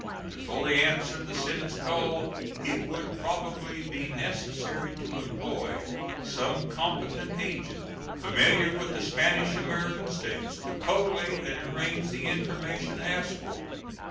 To fully answer the Senate's call, it would probably be necessary to employ some competent agent, familiar with the Spanish American States, to collate and arrange the information asked for.